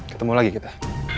ketemu lagi kita